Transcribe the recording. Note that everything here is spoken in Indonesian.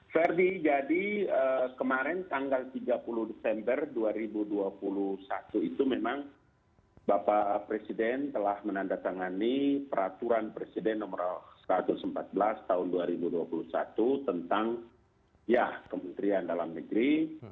ferdi jadi kemarin tanggal tiga puluh desember dua ribu dua puluh satu itu memang bapak presiden telah menandatangani peraturan presiden nomor satu ratus empat belas tahun dua ribu dua puluh satu tentang ya kementerian dalam negeri